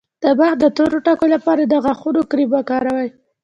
د مخ د تور ټکو لپاره د غاښونو کریم وکاروئ